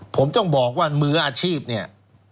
ผมต้องบอกว่ามืออาชีพเนี่ย